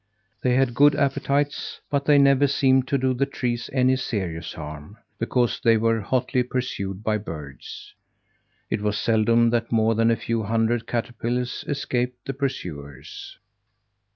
They had good appetites, but they never seemed to do the trees any serious harm, because they were hotly pursued by birds. It was seldom that more than a few hundred caterpillars escaped the pursuers.